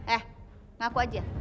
eh ngaku aja